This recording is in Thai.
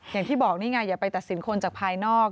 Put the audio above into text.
อย่างที่บอกนี่ไงอย่าไปตัดสินคนจากภายนอก